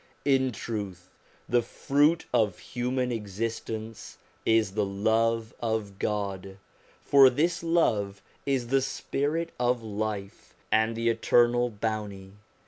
In truth, the fruit of human existence is the love of God, for this love is the spirit of life, and the eternal bounty.